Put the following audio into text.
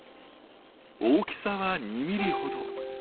大きさは２ミリほど。